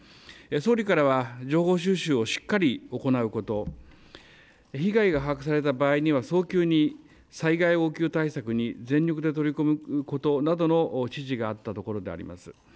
総理からは情報収集をしっかり行うこと、被害が把握された場合には早急に災害応急対策に全力で取り組むことなどの指示があったところであります。